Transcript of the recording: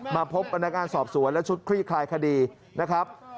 มาพบกันในการสอบสวนและชุดคลีกคลายคดีนะครับ